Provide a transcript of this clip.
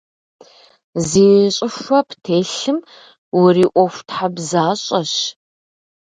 Зи щIыхуэ птелъым уриIуэхутхьэбзащIэщ.